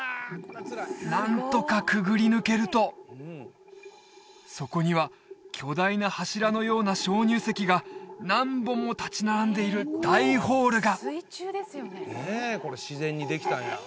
なんとかくぐり抜けるとそこには巨大な柱のような鍾乳石が何本も立ち並んでいる大ホールが！